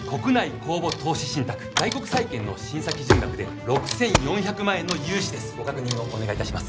公募投資信託外国債券の審査基準額で６４００万円の融資ですご確認をお願いいたします